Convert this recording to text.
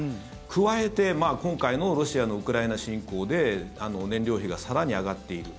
加えて今回のロシアのウクライナ侵攻で燃料費が更に上がっている。